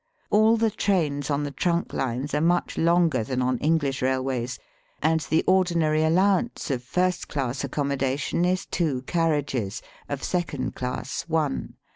All the trains on the trunk lines are much longer than on English railways, and the ordinary allow ance of first class accommodation is two carriages, of second class one.